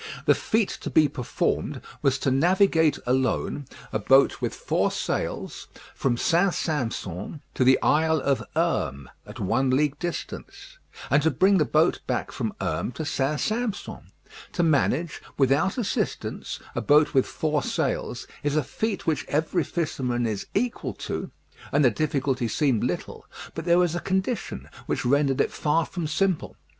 The feat to be performed was to navigate alone a boat with four sails from St. Sampson to the Isle of Herm, at one league distance, and to bring the boat back from Herm to St. Sampson. To manage, without assistance, a boat with four sails, is a feat which every fisherman is equal to, and the difficulty seemed little; but there was a condition which rendered it far from simple.